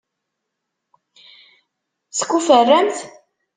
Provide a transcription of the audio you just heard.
Tekuferramt?